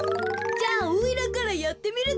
じゃあおいらからやってみるでごわす。